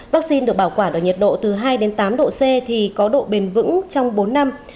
vaccine được bảo quản ở nhiệt độ từ hai đến tám độ c thì có độ bền vững trong bốn năm